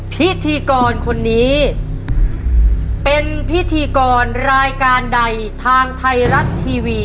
พิธีกรคนนี้เป็นพิธีกรรายการใดทางไทยรัฐทีวี